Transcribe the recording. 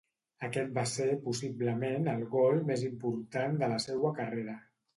Aquest va ser possiblement el gol més important de la seua carrera.